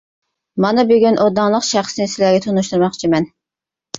مانا بۈگۈن ئۇ داڭلىق شەخسنى سىلەرگە تونۇشتۇرماقچىمەن.